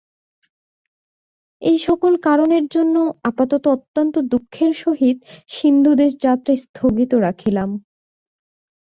এই সকল কারণের জন্য আপাতত অত্যন্ত দুঃখের সহিত সিন্ধুদেশ যাত্রা স্থগিত রাখিলাম।